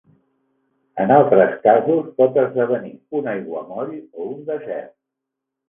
En altres casos, pot esdevenir un aiguamoll o un desert.